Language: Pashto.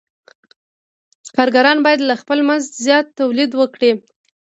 کارګران باید له خپل مزد زیات تولید وکړي